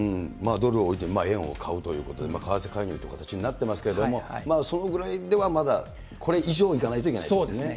ドルを売って円を買うということですが、為替介入という形になっていますけれども、そのぐらいではまだ、これ以上いかないといけないということですね。